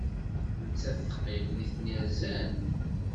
Nettat teqqim, nitni rzan.